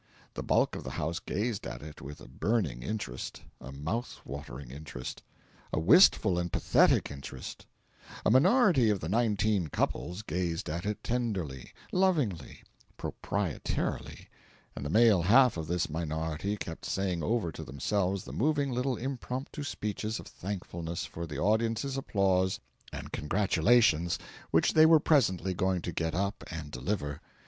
The bulk of the house gazed at it with a burning interest, a mouth watering interest, a wistful and pathetic interest; a minority of nineteen couples gazed at it tenderly, lovingly, proprietarily, and the male half of this minority kept saying over to themselves the moving little impromptu speeches of thankfulness for the audience's applause and congratulations which they were presently going to get up and deliver.